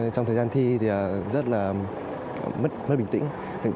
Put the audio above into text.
trong thời gian thi thì rất là mất nơi bình tĩnh